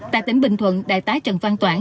tại tỉnh bình thuận đại tá trần phan toản